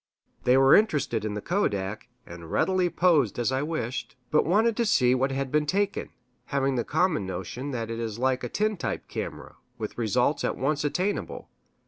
They were interested in the kodak, and readily posed as I wished, but wanted to see what had been taken, having the common notion that it is like a tintype camera, with results at once attainable.